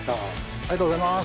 ありがとうございます。